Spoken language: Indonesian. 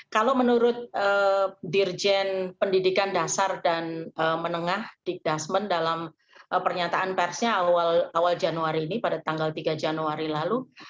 kalau menurut dirjen pendidikan dasar dan menengah digdasmen dalam pernyataan persnya awal januari ini pada tanggal tiga januari lalu